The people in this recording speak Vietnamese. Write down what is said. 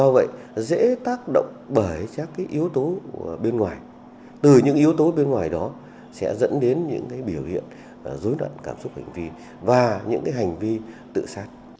bởi các yếu tố bên ngoài từ những yếu tố bên ngoài đó sẽ dẫn đến những biểu hiện dối nặng cảm xúc hành vi và những hành vi tự sát